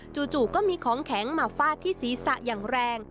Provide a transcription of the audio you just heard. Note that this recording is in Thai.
จู่ก็มีของแข็งมาฟาดที่ศีรษะอย่างแรง